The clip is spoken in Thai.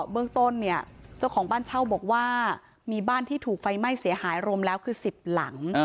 เบื้องต้นเนี่ยเจ้าของบ้านเช่าบอกว่ามีบ้านที่ถูกไฟไหม้เสียหายรวมแล้วคือ๑๐หลัง